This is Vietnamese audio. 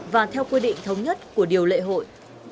và theo quy định thống nhất của điều lệ hội